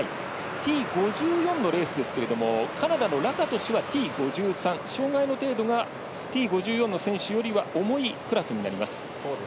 Ｔ５４のレースですけれどもカナダのラカトシュはＴ５３障がいの程度がＴ５４の選手よりは重いクラスになります。